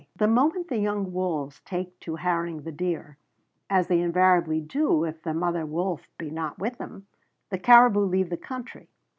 The moment the young wolves take to harrying the deer as they invariably do if the mother wolf be not with them the caribou leave the country.